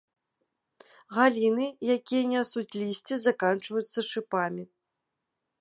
Галіны, якія нясуць лісце, заканчваюцца шыпамі.